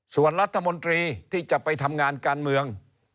ส่วนรัฐมนตรีที่จะไปทำงานการเมือง